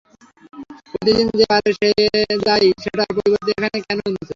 প্রতিদিন যে বারে যাই সেটার পরিবর্তে এখানে কেন এনেছ?